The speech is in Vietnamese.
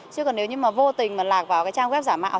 chứ còn nếu như mà vô tình mà lạc vào cái trang web giả mạo